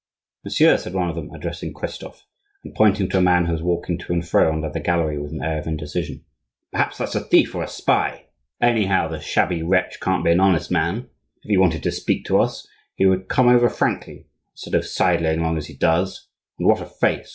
"Monsieur," said one of them, addressing Christophe and pointing to a man who was walking to and fro under the gallery with an air of indecision, "perhaps that's a thief or a spy; anyhow, the shabby wretch can't be an honest man; if he wanted to speak to us he would come over frankly, instead of sidling along as he does—and what a face!"